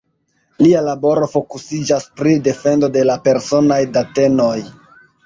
Lia laboro fokusiĝas pri defendo de la personaj datenoj.